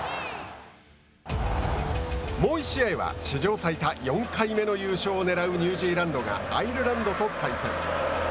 もう１試合は史上最多４回目の優勝をねらうニュージーランドがアイルランドと対戦。